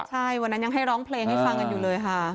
ใช่วันนั้นยังให้ร้องเพลงให้ฟังกันอยู่เลยค่ะ